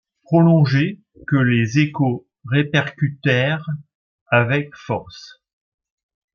prolongé, que les échos répercutèrent avec force